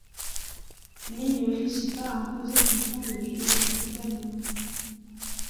Mais il ne réussit pas à imposer son point de vue aux autorités allemandes.